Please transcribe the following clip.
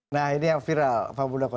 nah ini yang viral pak muldoko